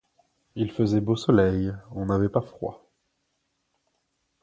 Il faisait beau soleil, on n’avait pas froid.